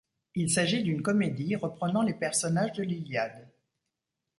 Il s'agit d'une comédie reprenant les personnages de l'Iliade.